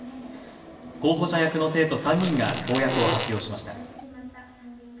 候補者役の生徒３人が公約を発表しました。